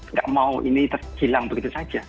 nggak mau ini terhilang begitu saja